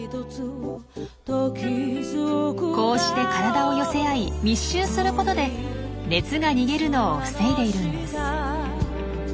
こうして体を寄せ合い密集することで熱が逃げるのを防いでいるんです。